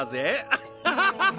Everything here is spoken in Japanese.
アッハハハ！